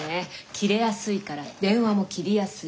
キレやすいから電話も切りやすい。